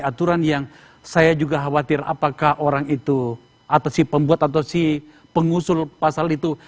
aturan yang saya juga khawatir apakah orang itu atau si pembuat atau si pengusul pasal itu